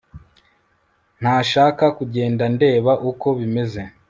ntashaka kugenda ndeba uko bimeze